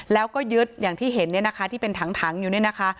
แล้วก็ยึดอย่างที่เห็นที่เป็นถังอยู่นี่นะคะ